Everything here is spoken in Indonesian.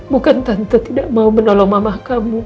bukan tante tidak mau menolong mama kamu